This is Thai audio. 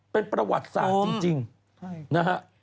เป็นประวัติศาสตร์จริงนะฮะ